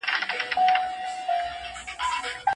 پانګه به ټول ضروري توليدي عوامل په کار واچوي.